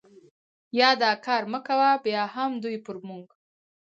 یا دا کار مه کوه، بیا هم دوی پر موږ.